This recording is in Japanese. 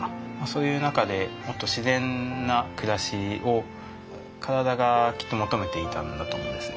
そういう中でもっと自然な暮らしを体がきっと求めていたんだと思うんです。